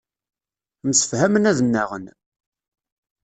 Msefhamen ad nnaɣen.